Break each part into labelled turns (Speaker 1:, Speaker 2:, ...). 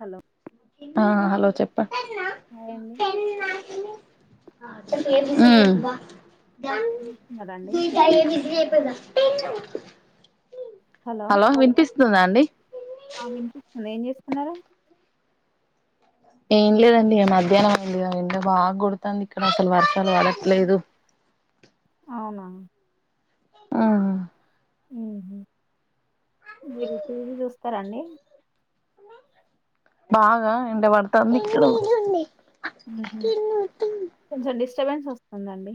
Speaker 1: Hello
Speaker 2: ఆ hello చెప్ప
Speaker 1: hi అండి
Speaker 2: ద
Speaker 1: ఉన్నారండి
Speaker 2: డి విిజలీ ప హలో వినిపిస్తుందా అండి
Speaker 1: ఆ వినిపిస్తుంది ఏం చేస్తున్నారు
Speaker 2: ఏం లేదండి మధ్యాహ్నం ఏంది వెంటే బాగా కొడుతుంది ఇక్కడ అసలు వర్షాలు పడట్లేదు
Speaker 1: అవునా
Speaker 2: ఆ
Speaker 1: ఉ మీరు టీవీ చూస్తారంాండి
Speaker 2: బాగా ఎే వాడత ని
Speaker 1: చెబెన్స్ వస్తుందండి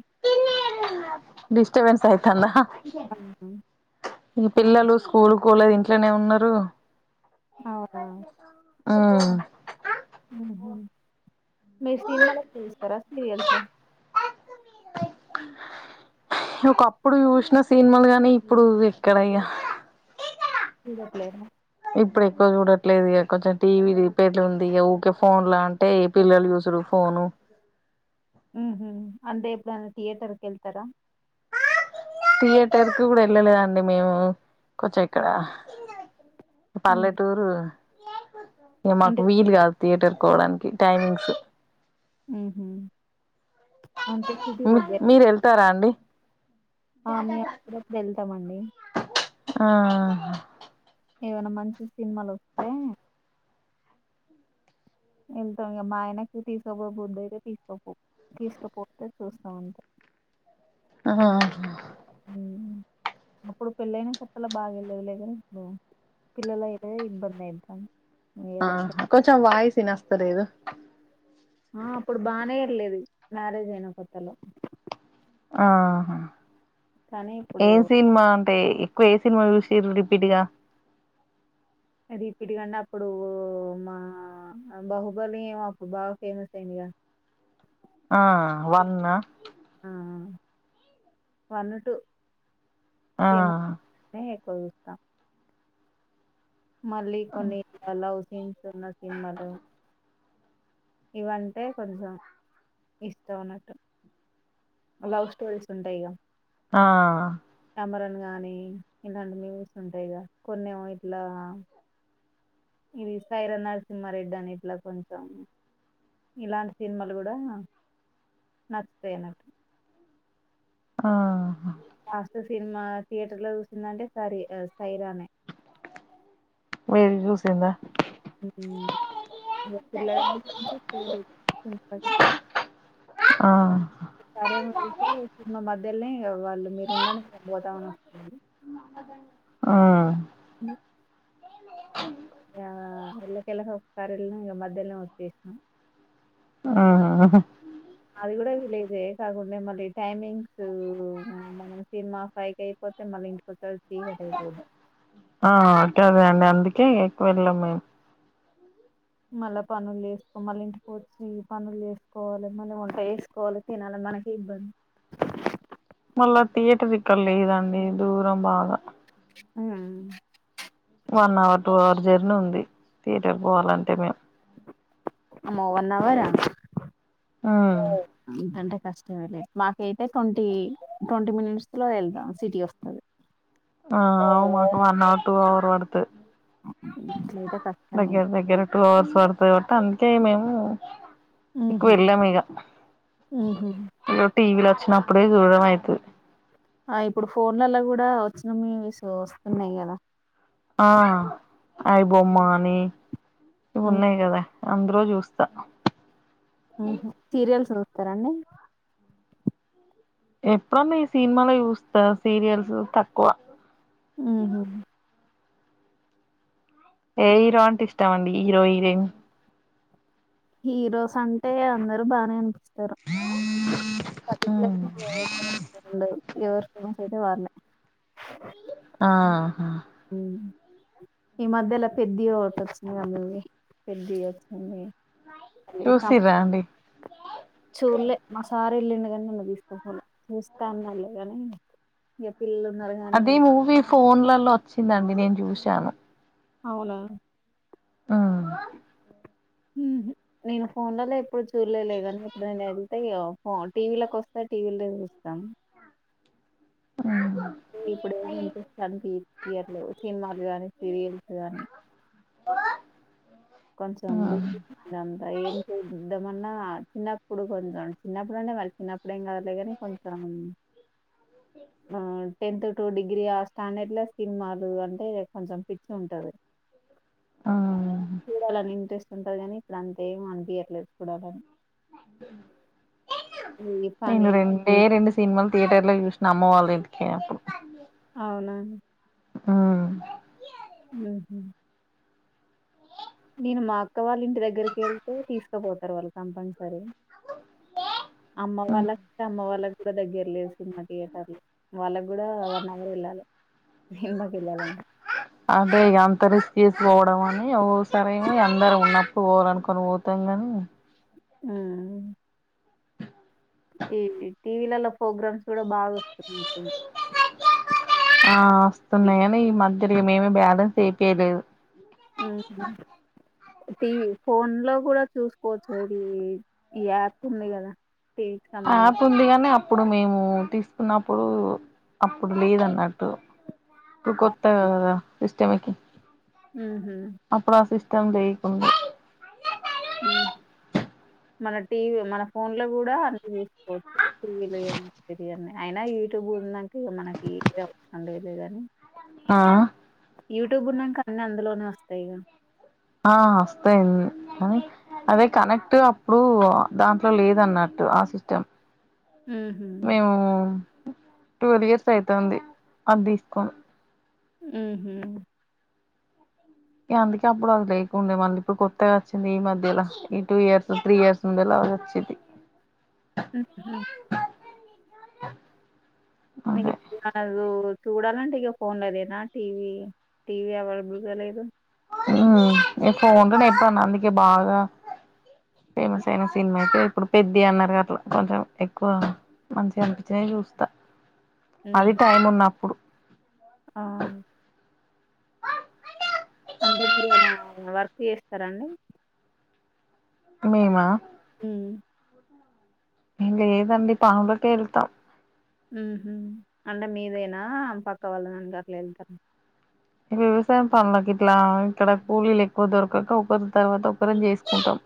Speaker 2: డిస్టబెన్స్ ఆయితందా ఈ పిల్లలు స్కూల్ కోలేదు ఇంట్లోనే ఉన్నారు
Speaker 1: అవునా
Speaker 2: ఆ
Speaker 1: మీ సినిమాలు ఎక్కువ చూస్తారా సీరియల్ స
Speaker 2: ఒకప్పుడు చూసిన సినిమాలు గానీ ఇప్పుడు ఎక్కడయ్యా
Speaker 1: ఇట్లే
Speaker 2: ఇప్పుడు ఎక్కువ చూడట్లేదు ఇక కొంచెం టీవీ రిపేర్ల ఉంది ఇక ఊకే ఫోన్ ల అంటే పిల్లలు చయూసు ఫోను
Speaker 1: ఉ అంతే ఇప్పుడు నన్న థియేటర్కి వెళ్తారా
Speaker 2: థియేటర్ కు కూడా వెళ్ళలేదండి మేము కొంచెం ఇక్కడ
Speaker 1: ఉ
Speaker 2: పల్లెటూరు మాకు
Speaker 1: అంటే
Speaker 2: వీలు కాదు థియేటర్ కోవడానికి టైమింగ్స్
Speaker 1: అహ
Speaker 2: మీ మీరు వెళ్తారా అండి
Speaker 1: ఆ మ అక్కడకి వెళ్తామండి
Speaker 2: ఆ
Speaker 1: ఏమైనా మంచి సినిమాలు వస్తే వెళ్తాం ఇ మా ఆయనకి తీసుకోపో బుద్ధ అయితే తీసుకోపో తీసుకుపోతే చూస్తాంంటే [inaudible]
Speaker 2: ఆ
Speaker 1: అప్పుడు పెళ్ళయినా కొతల్లో బాగా వెళ్ళదు లే కని ఇప్పుడు పిల్లల అయితే ఇబ్బంది అయితాం
Speaker 2: ఆ కొంచెం వాయిసినస్తలేదు
Speaker 1: ఆ అప్పుడు బాగానేఎల్లేది మ్యారేజ్ అయినా కొత్తలో
Speaker 2: ఆహా
Speaker 1: కానీ ఇప్పుడు
Speaker 2: ఏం సినిమా అంటే కేస సినిమా చూసిళ్ళు రిపిటుగా
Speaker 1: రిపీటుగంటే అప్పుడు మా బాహుబలి ఏమో అప్పుడు బాగా ఫేమస్ అయి్యందిగ [inaudible]
Speaker 2: ఆ వన్న
Speaker 1: ఆ వన్ టు
Speaker 2: ఆ
Speaker 1: కోవిస్తాన్ మళ్ళీ కొన్ని లవ్ సీన్స్ ఉన్న సినిమాలు ఇవంటే కొంచెం ఇస్త ఉన్నట్టు లవ్ స్టోరీస్ ఉంటాయిగ
Speaker 2: ఆ
Speaker 1: అమరన్ గాని ఇలాంటి మ్యూవీస్ ఉంటాయి గ కొన్నిం ఇట్లా ఇది సైరా నరసింహారెడ్డి అని ఇట్లా కొంచెం ఇలాంటి సినిమాలు కూడా నచ్చుతాయిన్నటు
Speaker 2: ఆ
Speaker 1: కాస్ట్ సినిమా థియేటర్ లో చూసిందంటే సరి సైరానే
Speaker 2: త చూసందా
Speaker 1: అ పల్ల [unintelligible]
Speaker 2: ఆ
Speaker 1: సరేమతేన్న మధ్యలోని వాళ్ళు మీరు ఉన్నడి చ పోతా ఉన్నా
Speaker 2: ఆ
Speaker 1: ఇ ఇలా కలా కర ఇంకా మధ్యలో వచ్చేసినాం
Speaker 2: ఆ
Speaker 1: అది కూడా తె లేదే కాకుంే మళ్ళీ టైమింగ్స్ మ సినిమా ఫై క అయిపో మలంటి కొతచ్చ కడపోదు
Speaker 2: ఆంటద అండి అందుకే ఎక్కువ వెెళ్ళాం మేము
Speaker 1: మళ్ళా పనులు వేసుకో మళ్ళీ ఇంటికి వచ్చి పనులు చేసుకోవాలి మళ్ళీ వంట వేసుకోవాలి తినాలి మనకే ఇబ్బంది
Speaker 2: మళ్ళా థియేటర్ ఇక్కడ లేదండి దూరం బాగా
Speaker 1: ఆ
Speaker 2: one hour two hour journey ఉంది థియేటర్ పోవాలంటే మేము
Speaker 1: మో వన్వరా
Speaker 2: ఉమ్
Speaker 1: ఎంతంట కష్టమలేదు మాకైతే ట్వంటీ ట్వంటీ మినిట్స్ లో వెళ్దాం సిటీ వస్తుంది
Speaker 2: ఆ అవు మాకు వన్ హవర్ టూ హవర్ అడుతు
Speaker 1: అట్లయితే కష్టమే
Speaker 2: దగ్గర దగ్గర టూ అవర్స్ పడతాయి బటటి అందుకే మేము ఇకు
Speaker 1: ఉహు,
Speaker 2: వెళ్ల మీగా
Speaker 1: ఉహు.
Speaker 2: టీవలో వచ్చిన అప్పుడే దృఢమయదు
Speaker 1: ఆ ఇప్పుడు ఫోన్లలో కూడా వచ్చిన మీ వస్తున్నాయి కదా
Speaker 2: ఆ అయి బొమ్మని ఇ ఉన్నాయి కదా అందరూ చూస్తా
Speaker 1: సీరియల్స్ చూస్తారంాండి
Speaker 2: ఎప్పుడుమ ఈ సినిమాల యూస్ సీరియల్స్ తక్కువ
Speaker 1: ఆహ
Speaker 2: ఏ హీరో అంటే ఇష్టామండి హీరో హీరోయిన్
Speaker 1: హీరోస్ అంటే అందరు బాగానే అనిపిస్తుారు [unintelligible] ఎవర్స సతే వారనే
Speaker 2: ఆ
Speaker 1: ఉ ఈ మధ్యలా పెద్ది ఒకటి వచ్చింది మూవీ పెద్ది వచ్చియి
Speaker 2: చూసి రాండి
Speaker 1: చూలే మా సారి ఇల్లుండు కాని నన్ను తీసుకపోలే చూస్తే అన్నాళ్ళ కాని
Speaker 2: అదే మూవీ ఫోన్లలో వచ్చిందండి నేను చూసాను
Speaker 1: అవునా
Speaker 2: ఆ
Speaker 1: నేను ఫోన్ లోలో ఎప్పుడు చూడలేలేదనీప్పుడునే అది అంయ్యో టీవీలలకు వస్తే టీవీలో చూస్తాం ఇప్పుడే ఇంటస్తాన్ తీయర్లు సినిమాలు గానీ సీరియల్స్ గాని
Speaker 2: ఆ
Speaker 1: కొంచం బూంతా ఏం చేద్దామన్నా చిన్నప్పుడు కొంచెం చిన్నప్పుడునే వళ్సిన అప్పుడేం కదలేగాని కొంచెం టెన్త్ టు డిగ్రీ స్టాండర్డ్ లో స్కిన్ మారుదు అంటే కొంచెం పిచ్చ ఉంటంది
Speaker 2: ఉమ్
Speaker 1: ఇంట్రెస్ట్ ఉంటారు కానీ ఇప్పుడ అంతే ఏం అనిపియట్లేలేదు చూడాలని ఈ పని
Speaker 2: నను రెండే రెండు సినిమల్ థియేటర్ లో చూసిన అమ్మ వాళ్ళు ఎందుకేప్పుడు
Speaker 1: అవునా
Speaker 2: ఆవు
Speaker 1: ఉహు నేను మా అక్క వాళ్ళ ఇంటి దగ్గరకి వెళ్తే తీసుకుపోతారు వాళ్ళు కంపల్సరీ అమ్మ
Speaker 2: ఉమ్
Speaker 1: వాళ్ళ అమ్మ వాళ్ళకి ఇ దగ్గర లేదు సినిమా థియేటర్ వాళ్ళకు కూడా వన్ అవర్ వెళ్ళాలి. సినిమాకి వెళ్ళాలంటే
Speaker 2: అదే గా అంత రిస్క్ పోవడం అని అవసరమేమీ అందరు ఉన్నప్పుడు పోవాలనుకొని పోతంగాని
Speaker 1: హు ఈ టీవీలలో ప్రోగ్రామ్స్ కూడా బాగా వస్తున్నాయి.
Speaker 2: ఆ వస్తున్నాయని ఈ మధ్యలో మేమి బ్యాలెన్స్ ఏపియలేదు
Speaker 1: హు టీ ఫోన్ లో కూడా చూసుకోవచ్చు ఇది ఈ యాప్ ఉంది కదా టీవీకి
Speaker 2: యాప్
Speaker 1: సంబంధించి
Speaker 2: ఉంది గానీ అప్పుడు మేము తీసుకున్నప్పుడు అప్పుడు లేదన్నట్టు
Speaker 1: ఆ
Speaker 2: కొత్త గా కదా సిస్టమ్ కి
Speaker 1: ఉహు
Speaker 2: తం లేకుండా
Speaker 1: హు మన టీవీ మన ఫోన్ లో కూడా అన్ని చూసుకోవచ్చు టీవీలు ఏం వచ్చేది అయినా యూట్యూబ్ ఉన్నాక మనకి అవసరం లెదు లే కాని
Speaker 2: ఆ
Speaker 1: యూట్యూబ్ ఉన్నాక అన్ని అందులోనే వస్తాయిగా
Speaker 2: ఆ వస్తాయి అన్ని కానీ అదే కనెక్ట్ అప్పుడు దాంట్లో లేద అన్నట్టు ఆ సిస్టమ్
Speaker 1: ఉహు
Speaker 2: మేము టువల్ ఇయర్స్ అయితాంది అది తీసుకొని
Speaker 1: ఉహు
Speaker 2: అందుకే అప్పుడు అది లేకుండే మళ్ళీ ఇప్పుడు కొత్తగా వచ్చింది ఈ మధ్యలా ఈ టూ ఇయర్స్ త్రీ ఇయర్స్ ఉండేలా వచ్చిది
Speaker 1: ఉహు మీ
Speaker 2: అదే
Speaker 1: [unintelligible] చూడాలంటే ఇక ఫోన్ లోదేనా టీవీ టీవీ అవైలబుల్ గా లేదు
Speaker 2: హు నేను ఫోన్ లో ఎప్పుడున్న అందుకే బాగా ఫేమస్ అయిన సినిమా అయితే ఇప్పుడు పెద్ది అన్నారు అట్లా కొంచెం ఎక్కువ మంచిగా అనిపించినవి చూస్తా అది టైం ఉన్నప్పుడు
Speaker 1: హా అంటే మీరు అలా వర్క్ చేస్తారండి.
Speaker 2: మేమా
Speaker 1: హు
Speaker 2: హు లేదండి పనులకే వెళ్తా
Speaker 1: ఉహు అంటే మీదేనా పక్క వాళ్ళ [unintelligible] వెళ్తారు
Speaker 2: వ్యవసాయం పనులకి ఇట్లా ఇక్కడ కూలీలు ఎక్కువ దొరకక ఒకరి తర్వాత ఒకరిని చేసుకుంటాం.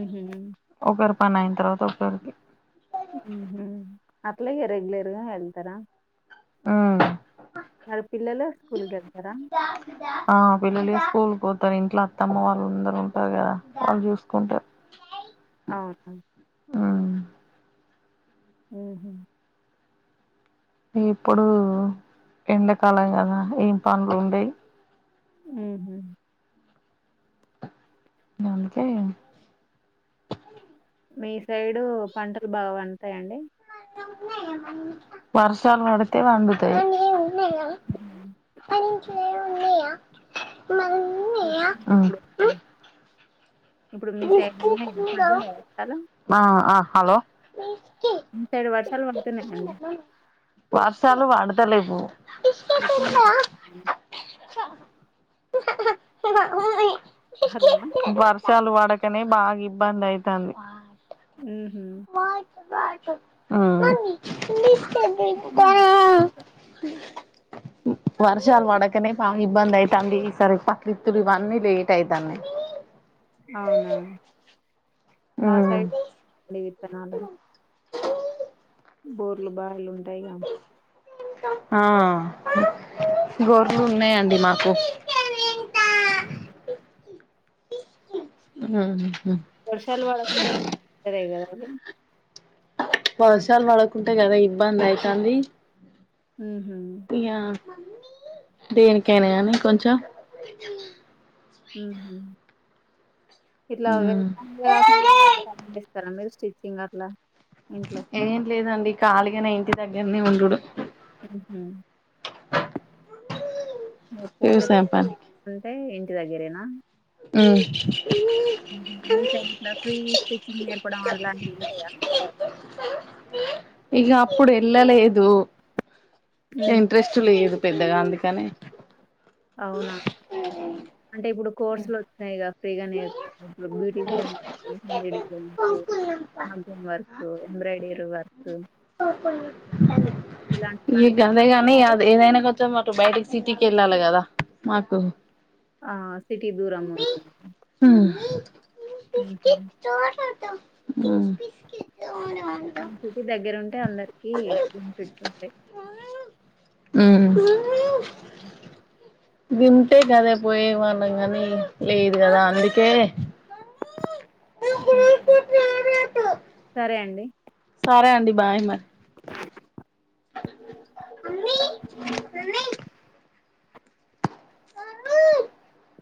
Speaker 1: ఉహు
Speaker 2: పనీ అయిన తర్వాత ఒకకి
Speaker 1: హుహు అట్లాగ రెగ్యులర్గా వేళ్తారా
Speaker 2: ఆ
Speaker 1: మరి పిల్లలు స్కూల్కి వెళ్
Speaker 2: ఆ పిల్లలు స్కూల్ పోతారు ఇంట్లో అత్తమ్మ వాళ్ళు అందరు ఉంటారు కదా వాళ్ళు చూసుకుంటారు.
Speaker 1: అవునా
Speaker 2: హు
Speaker 1: ఉహు
Speaker 2: ఇగిప్పుడు ఎండలకాలం కదా ఏం పనులు ఉండయి
Speaker 1: ఉహు
Speaker 2: ఇగ అందుకే
Speaker 1: మీ సైడు పంటలు బాగా పండుతాయండి
Speaker 2: వర్షాలు వడుతే వండుతయి మన ఇంట్లేమన్నన్నున్నాయా మరున్నయా
Speaker 1: వర్షాలు
Speaker 2: ఆ
Speaker 1: ఇప్పుడు
Speaker 2: ఉ
Speaker 1: ఇప్పుడు మీ సైడు వున్నాయ పడ్డాయ చాలా
Speaker 2: ఆ ఆ హలో
Speaker 1: వర్షాలు పడుతున్నాయండి.
Speaker 2: వర్షాలు వాడుత్ తలేవు
Speaker 1: హలో! హలో!
Speaker 2: వర్షాలువడుత్ వడకనే బాగా ఇబ్బందయితంది
Speaker 1: ఉహు
Speaker 2: ఉ
Speaker 1: [unintelligible]
Speaker 2: వర్షాలు వడకనే బాగా ఇబ్బంది అయితంది ఈ సారి పత్తిత్తులు ఇవన్నీ లేట్ అయితాన్నయి
Speaker 1: [unintelligible] అవునా మా
Speaker 2: ఉమ్
Speaker 1: సైడ్ డి విత్తనాలు బోర్లు బాయిలు ఉంటాయిగా
Speaker 2: ఆ గోర్లు ఉన్నాయండి మాకు ఉహు
Speaker 1: వర్షాలు వడకుంటే గూడ అదే కదా అండి
Speaker 2: వర్షాలు వడకుంటే గదే ఇబ్బంది అయితంది
Speaker 1: ఉహు
Speaker 2: దేనికేైనా గాని కొంచెం
Speaker 1: ఉహు ఇట్లా వేరే
Speaker 2: ఉమ్
Speaker 1: పనులు కాకుండా ఇంకెమన్నా పనులు చేస్తారా మీరు స్టిచ్చింగ్ అట్లా ఇంట్లో
Speaker 2: ఏం లేదండి కాళీగానే ఇంటి దగ్గర్నే ఉండుడు
Speaker 1: ఉహు ఇగ పోతే
Speaker 2: వ్యవసాయం పని
Speaker 1: అంటే ఇంటి దగ్గరేనా
Speaker 2: ఉ
Speaker 1: ఉహు మీ సైడ్ ఇట్లా ఫ్రీ స్టిచ్చింగ్ నేర్పడం అలాంటివి ఉంటాయా
Speaker 2: ఇగ అప్పుడెళ్ళలేదు
Speaker 1: ఉహు.
Speaker 2: ఇంట్రెస్ట్ లేదు పెద్దగా అందుకని
Speaker 1: అవునా అంటే ఇప్పుడు కోర్సులోచ్చినాయి ఫ్రీగా నేర్పుతునరు బ్యూటీషియన్ మేడి ఫ్లేన్స్ మగ్గం వర్క్ ఎంబ్రయిడిర్ వర్క్
Speaker 2: తోపున్ ఎన్రి ఈ
Speaker 1: ఇలాంటివన్నీ
Speaker 2: గదే గని ఏదైనా కొంచం అటు బయటకి సిటీకెళ్ళాలే కదా మాకు
Speaker 1: ఆ సిటీ దూరముంన్
Speaker 2: ఉహ్ ఉ
Speaker 1: మేన్ సిటీ దగ్గరుంటే అందరికి బెనిఫిట్స్ ఉంటయి
Speaker 2: ఉ వింటే గదే పోయేవానళ్ళం గని లేదు కదా అందుకే
Speaker 1: ఉహు సరే అండి
Speaker 2: సరే అండి బాయ్ మరి [unintelligible] [inaudible] [unintelligible]